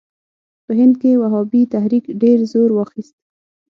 په هند کې وهابي تحریک ډېر زور واخیست.